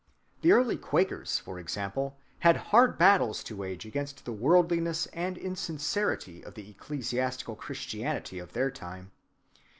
The early Quakers, for example, had hard battles to wage against the worldliness and insincerity of the ecclesiastical Christianity of their time.